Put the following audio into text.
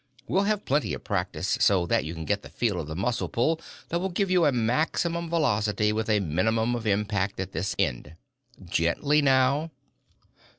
We'll have plenty of practice, so that you can get the feel of the muscle pull that will give you a maximum of velocity with a minimum of impact at this end. Gently, now."